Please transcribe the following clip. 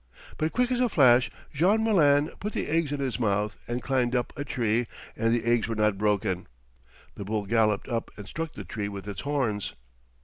But quick as a flash Jean Malin put the eggs in his mouth and climbed up a tree, and the eggs were not broken. The bull galloped up and struck the tree with its horns.